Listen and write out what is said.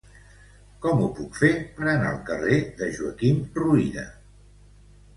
Com ho puc fer per anar al carrer de Joaquim Ruyra?